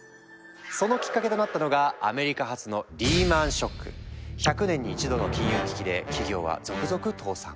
そのきっかけとなったのがアメリカ発の１００年に一度の金融危機で企業は続々倒産。